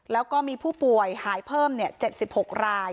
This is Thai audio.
แล้วก็มีผู้ป่วยหายเพิ่ม๗๖ราย